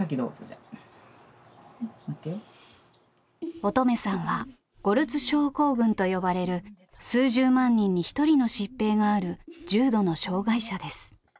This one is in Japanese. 音十愛さんはゴルツ症候群と呼ばれる数十万人に一人の疾病がある重度の障害者です。